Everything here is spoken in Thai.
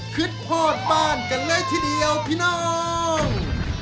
พ่อบ้านกันเลยทีเดียวพี่น้อง